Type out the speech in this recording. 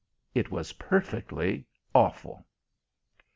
It was perfectly awful.